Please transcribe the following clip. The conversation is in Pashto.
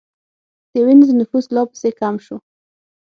د وینز نفوس لا پسې کم شو